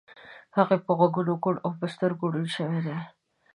هغه په غوږو کوڼ او په سترګو ړوند شوی دی